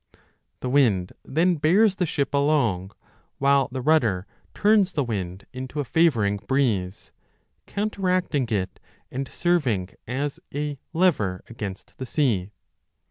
The wind then bears the ship along, while the rudder turns the wind into a favouring breeze, counter acting it and serving as a lever against the sea.